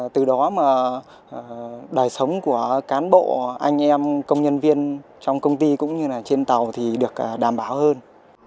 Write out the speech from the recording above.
từ đó mà đời sống của cán bộ anh em công nhân viên trong công ty cũng như là trên tàu thì được đảm bảo hơn